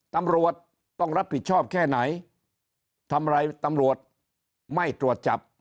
ตำรวจต้องรับผิดชอบแค่ไหนทำอะไรตำรวจไม่ตรวจจับ